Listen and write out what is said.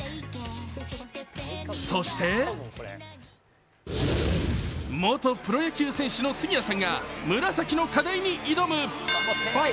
そして元プロ野球選手の杉谷さんが紫の課題に挑む。